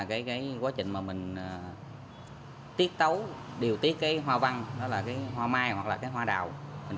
cái quá trình mà mình tiết tấu điều tiết cái hoa văn đó là cái hoa mai hoặc là cái hoa đào mình